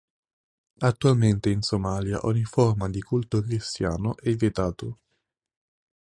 Attualmente in Somalia ogni forma di culto cristiano è vietato.